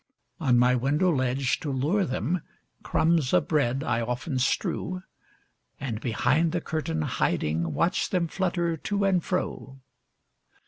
On my window ledge, to lure them, Crumbs of bread I often strew, And, behind the curtain hiding, Watch them flutter to and fro.